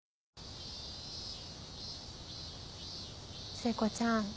聖子ちゃん。